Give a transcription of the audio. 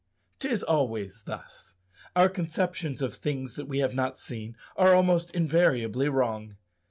'Tis always thus. Our conceptions of things that we have not seen are almost invariably wrong.